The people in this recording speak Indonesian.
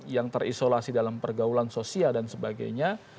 yang terisolasi dalam pergaulan sosial dan sebagainya